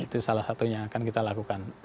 itu salah satunya akan kita lakukan